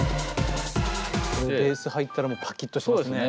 ベース入ったらもうパキッとしますね。